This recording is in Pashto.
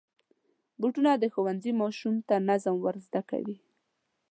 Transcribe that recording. بوټونه د ښوونځي ماشوم ته نظم ور زده کوي.